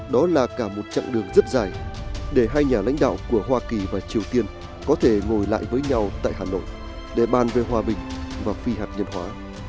đó là cả một chặng đường rất dài để hai nhà lãnh đạo của hoa kỳ và triều tiên có thể ngồi lại với nhau tại hà nội để bàn về hòa bình và phi hạt nhân hóa